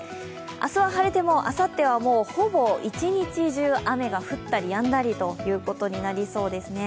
明日は晴れてもあさっては、ほぼ一日中雨が降ったりやんだりになりそうですね。